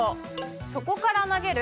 そこから投げる？